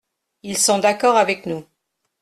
Ils sont d’accord avec nous.